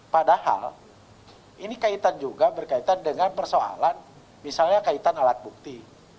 padahal ini kaitan juga berkaitan dengan persoalan misalnya kaitan alat bukti